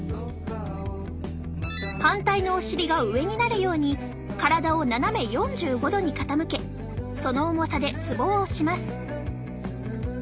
反対のお尻が上になるように体を斜め４５度に傾けその重さでツボを押します。